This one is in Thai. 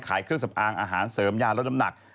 เครื่องสำอางอาหารเสริมยาลดน้ำหนัก